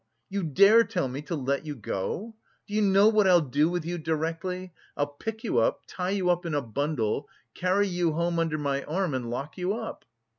You dare tell me to let you go? Do you know what I'll do with you directly? I'll pick you up, tie you up in a bundle, carry you home under my arm and lock you up!"